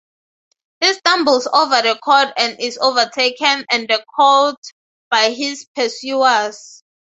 He stumbles over the cord and is overtaken and caught by his pursuers.